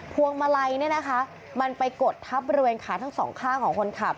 พวงมาลัยเนี่ยนะคะมันไปกดทับบริเวณขาทั้งสองข้างของคนขับ